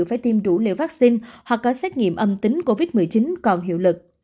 phải tiêm đủ liều vaccine hoặc có xét nghiệm âm tính covid một mươi chín còn hiệu lực